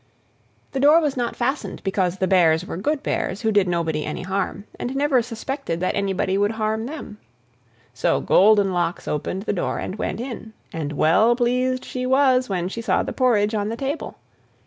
The door was not fastened, because the Bears were good Bears, who did nobody any harm, and never suspected that anybody would harm them. So Goldenlocks opened the door, and went in; and well pleased she was when she saw the porridge on the table.